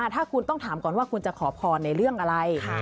ถ้าคุณต้องถามก่อนว่าคุณจะขอพรในเรื่องอะไร